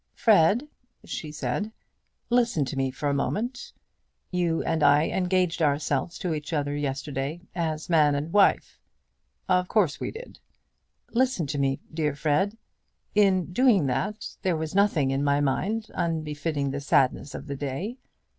"Fred," she said, "listen to me for a moment. You and I engaged ourselves to each other yesterday as man and wife." "Of course we did." "Listen to me, dear Fred. In doing that there was nothing in my mind unbefitting the sadness of the day.